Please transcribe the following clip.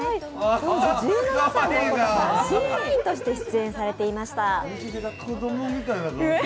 当時、１７歳で審査員として出演されていました。